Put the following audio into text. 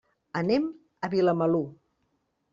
Anem a Vilamalur.